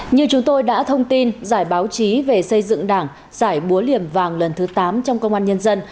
như chúng tôi đã thông tin giải báo chí về xây dựng đảng giải búa liềm vàng lần thứ tám trong công an nhân dân